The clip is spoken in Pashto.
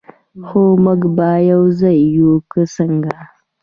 خو موږ به یو ځای یو، که څنګه؟